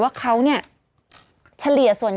จากที่ตอนแรกอยู่ที่๑๐กว่าศพแล้ว